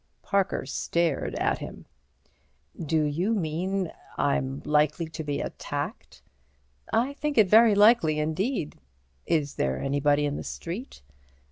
Parker stared at him. "Do you mean—I'm likely to be attacked?" "I think it very likely indeed." "Is there anybody in the street?"